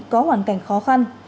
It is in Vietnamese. có hoàn cảnh khó khăn